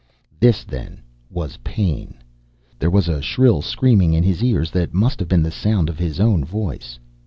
This, then, was pain. There was a shrill screaming in his ears that must have been the sound of his own voice.